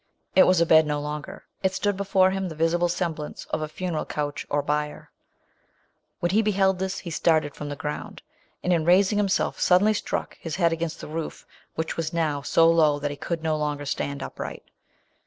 It was a bed no longer. It stood before him, the visible semblance of a funeral couch or bier ! When he beheld this, he started from the ground; and, in raising himself, suddenly struck his head against the roof, which was now so low that he could no longer stand upright.